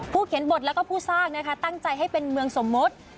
ผู้เขียนบทและผู้สร้างตั้งใจให้เป็นเมืองสมมติ